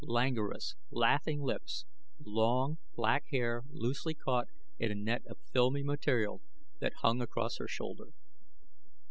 Languorous, laughing lips; long, black hair loosely caught in a net of filmy material that hung across her shoulder.